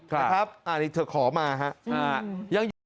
ครับอันนี้เธอขอมาฮะยังอยู่